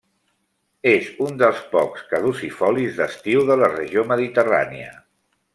És un dels pocs caducifolis d'estiu de la regió mediterrània.